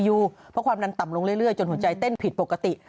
เพราะความดันต่ำลงเรื่อยจนหัวใจเต้นผิดปกติ